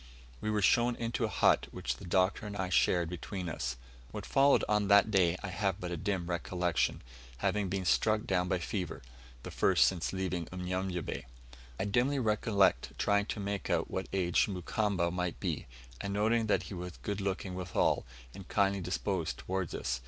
We were shown into a hut, which the Doctor and I shared between us. What followed on that day I have but a dim recollection, having been struck down by fever the first since leaving Unyanyembe. I dimly recollect trying to make out what age Mukamba might be, and noting that he was good looking withal, and kindly disposed towards us.